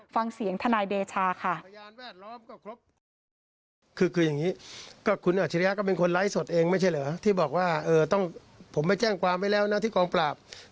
ฟังเสียงทนายเดชาค่ะ